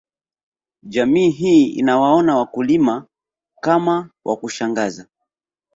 Jamii hii inawaona wakulima kama wa kushangaza